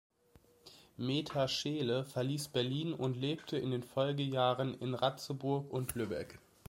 Meta Scheele verließ Berlin und lebte in den Folgejahren in Ratzeburg und Lübeck.